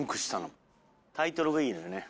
タイトルがいいよね。